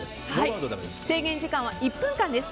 制限時間は１分間です。